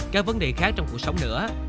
các vấn đề khác trong cuộc sống nữa